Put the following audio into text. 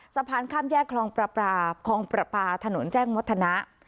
สะพานข้ามแยกคลองประปราคลองประปาถนนแจ้งวัฒนะ